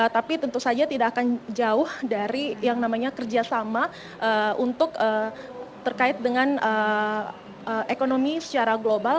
tapi tentu saja tidak akan jauh dari yang namanya kerjasama untuk terkait dengan ekonomi secara global